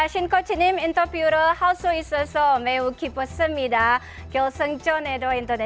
coach shin terima kasih telah menonton